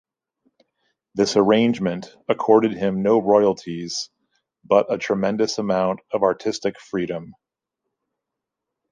This arrangement accorded him no royalties, but a tremendous amount of artistic freedom.